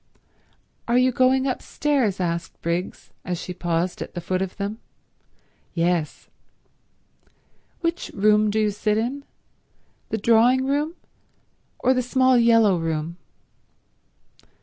"Are you going upstairs?" asked Briggs, as she paused at the foot of them. "Yes." "Which room do you sit in? The drawing room, or the small yellow room?"